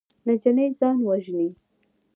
نجلۍ ځان وژني.